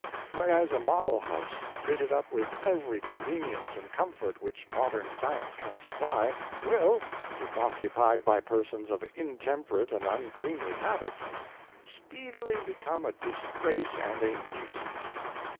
Whereas a model house, fitted up with every convenience and comfort which modern science can supply, will, if occupied by persons of intemperate and uncleanly habits, speedily become a disgrace and a nuisance.